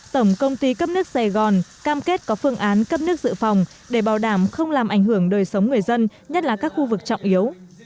tổng công ty cấp nước sài gòn cam kết có phương án cấp nước dự phòng để bảo đảm không làm ảnh hưởng đời sống người dân nhất là các khu vực trọng yếu